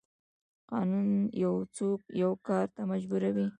قانون یو څوک یو کار ته مجبوروي.